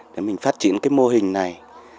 để mình phát triển cái mô hình này